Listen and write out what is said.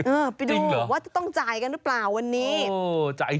เออไปดูว่าจะต้องจ่ายกันหรือเปล่าวันนี้จริงเหรอ